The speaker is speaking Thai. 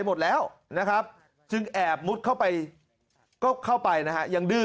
หมดแล้วนะครับจึงแอบมุดเข้าไปก็เข้าไปนะฮะยังดื้อ